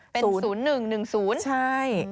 เป็นศูนย์๐๑ศูนย์๑๐